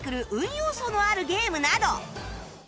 要素のあるゲームなど